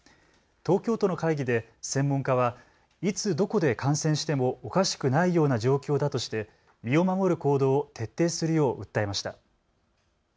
東京都の会議で専門家はいつどこで感染してもおかしくないような状況だとして身を守る行動を徹底するよう訴えました。